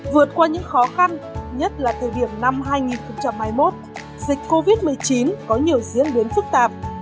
vượt qua những khó khăn nhất là thời điểm năm hai nghìn hai mươi một dịch covid một mươi chín có nhiều diễn biến phức tạp